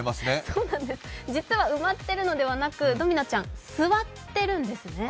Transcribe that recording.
実は埋まっているのではなく、ドミノちゃん、座っているんですね